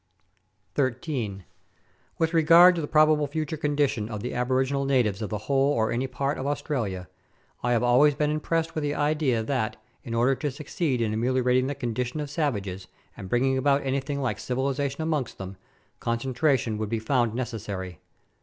13. With regard to the probable future condition of the aboriginal natives of the whole or any part of Australia, I have always been impressed with the idea that, in order to succeed in ameliorating the condition of savages, and bringing about anything like civilization amongst them, concentration would be found neces sary.